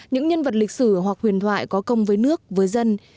những nhân vật lịch sử hoặc huyền thoại có công với nước với dân